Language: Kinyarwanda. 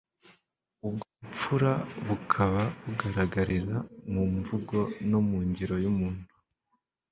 ubwo bupfura bukaba bugararagarira mu mvugo no mu ngiro y'umuntu